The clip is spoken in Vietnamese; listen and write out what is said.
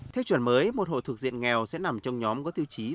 theo chuẩn mới một hộ thuộc diện nghèo sẽ nằm trong nhóm có tiêu chí